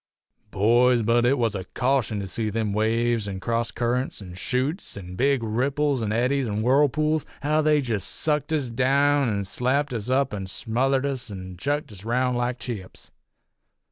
"Boys, but it was a caution to see them waves, an' cross currents, an' chutes, an' big ripples, an' eddies, an' whirlpools, how they jest sucked us down an' slapped us up an' smothered us an' chucked us roun' like chips.